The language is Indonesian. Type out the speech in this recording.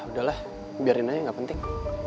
udah lah biarin aja gak penting